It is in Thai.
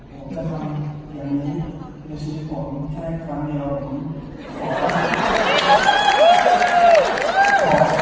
ผมจะทำอย่างนี้แล้วชิดของผมแค่คำเดียวนี้